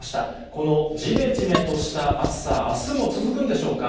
このじめじめとした暑さ、あすも続くんでしょうか。